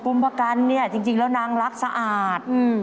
คุมภกัณฑ์เนี่ยเตรียมจริงแล้อนางรักสะอาด